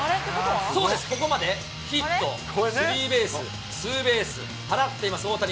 そうです、ここまでヒット、スリーベース、ツーベース、放っています大谷。